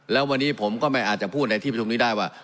แล้ววันนี้ผมก็ไม่อาจจะพูดในที่ประชุมนี้ได้ว่า